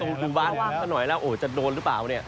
ดูบ้านวางซะหน่อยแล้วโอ้จะโดนหรือเปล่าเนี่ย